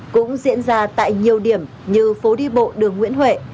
cũng diễn ra tại nhiều điểm như phố đi bộ đường nguyễn huệ